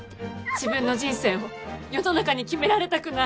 自分の人生を世の中に決められたくない。